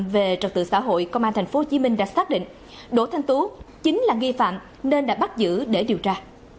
về trật tự xã hội công an tp hcm đã xác định đỗ thanh tú chính là nghi phạm nên đã bắt giữ để điều tra